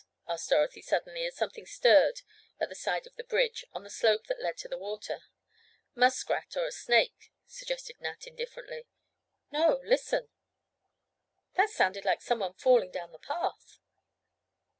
asked Dorothy suddenly, as something stirred at the side of the bridge on the slope that led to the water. "Muskrat or a snake," suggested Nat indifferently. "No, listen! That sounded like someone falling down the path."